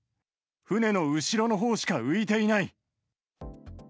船の後ろのほうしか浮いていない。